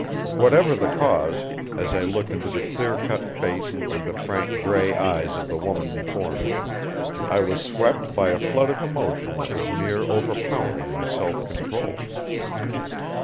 Whatever the cause, as I looked into the clear cut face and the frank gray eyes of the woman before me, I was swept by a flood of emotion that was near overpowering my self control.